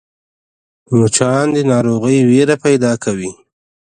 مچان د ناروغۍ وېره پیدا کوي